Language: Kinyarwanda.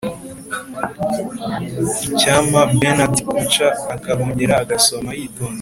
icyampa bernard kouchner akongera agasoma yitonze